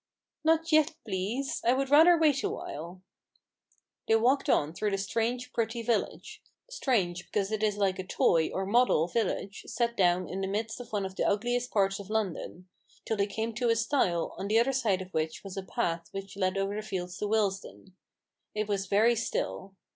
"Not yet, pleasel I would rather wait awhile." They walked on through the strange, pretty village — strange, because it is like a toy, or model, village, set down in the midst of one of the ugliest parts of London — till they came to a stile, on the other side of which was a path which led over the fields to Willesden, It was very still.